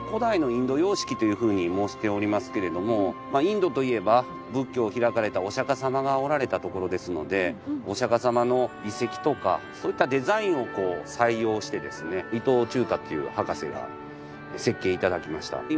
「古代のインド様式」というふうに申しておりますけれどもインドといえば仏教を開かれたお釈様がおられた所ですのでお釈様の遺跡とかそういったデザインをこう採用してですね伊東忠太という博士が設計頂きました。